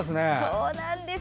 そうなんです！